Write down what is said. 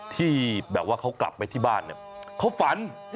ที่แบบว่าเขากลับไปที่บ้านเนี่ยเขาฝัน